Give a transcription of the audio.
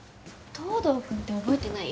東堂君って覚えてない？